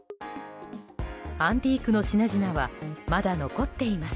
アンティークの品々はまだ残っています。